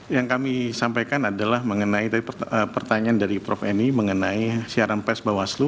yang kami sampaikan adalah mengenai tadi pertanyaan dari prof eni mengenai siaran pers bawaslu